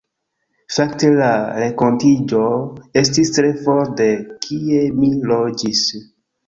Fakte la renkontiĝo estis tre for de kie mi loĝis.